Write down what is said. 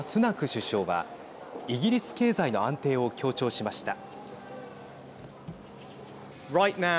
首相はイギリス経済の安定を強調しました。